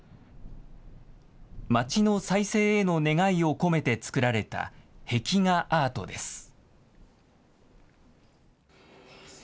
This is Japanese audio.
町の再生への願いを込めて作られた壁画アートです。